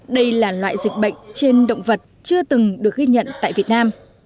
đây là loại dịch bệnh trên động vật chưa từng được ghi nhận tại việt nam